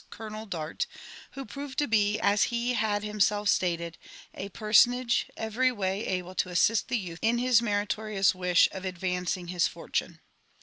Colonel Dart, who proved to be, as he had himself stated, a personage every way able to assist the youth In his meritorious wish of advancing his fortune.